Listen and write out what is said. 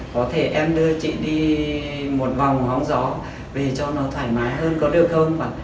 có thể em đưa chị đi một vòng hóng gió về cho nó thoải mái hơn có được không